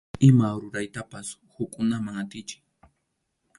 Ima ruraytapas hukkunaman atichiy.